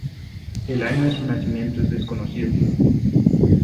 El año de su nacimiento es desconocido.